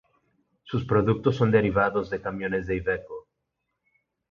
Sus productos son derivados de camiones de Iveco.